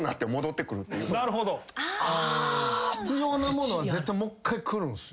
必要なものは絶対もっかい来るんすよ。